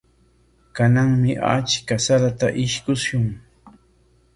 Kananmi achka sarata ishkushun.